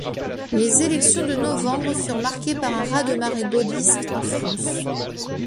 Les élections de novembre furent marquées par un raz-de-marée gaulliste en France.